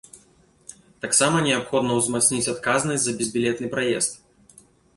Таксама неабходна ўзмацніць адказнасць за безбілетны праезд.